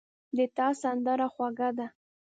د تا سندره خوږه ده